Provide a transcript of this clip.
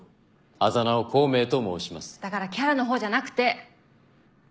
だからキャラの方じゃなくて。